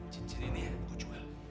cincin ini ya aku jual